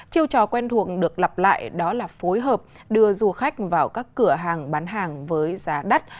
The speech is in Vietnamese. chiêu trò quen thuộc được lặp lại đó là phối hợp đưa du khách vào các cửa hàng bán hàng với giá đắt